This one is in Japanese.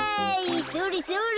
それそれ。